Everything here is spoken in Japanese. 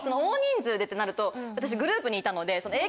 でってなると私グループにいたので。